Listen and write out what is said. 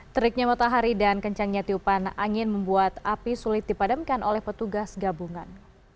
teriknya matahari dan kencangnya tiupan angin membuat api sulit dipadamkan oleh petugas gabungan